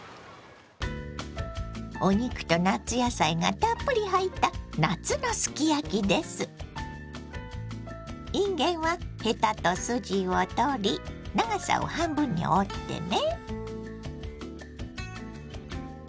お肉と夏野菜がたっぷり入ったいんげんはヘタと筋を取り長さを半分に折ってね。